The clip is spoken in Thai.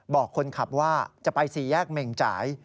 บอกคนขับว่าจะไปสี่แยกเม่งจ่าย